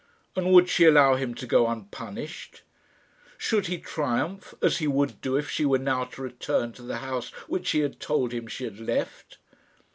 And would she allow him to go unpunished? Should he triumph, as he would do if she were now to return to the house which she had told him she had left?